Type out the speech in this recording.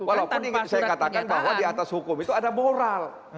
walaupun ingat saya katakan bahwa di atas hukum itu ada moral